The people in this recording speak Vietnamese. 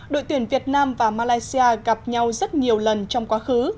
đội tuyển việt nam và malaysia gặp nhau rất nhiều lần trong quá khứ